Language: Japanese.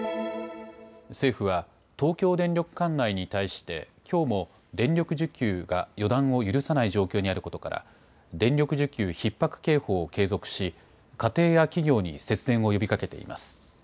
政府は東京電力管内に対してきょうも電力需給が予断を許さない状況にあることから電力需給ひっ迫警報を継続し家庭や企業に節電を呼びかけています。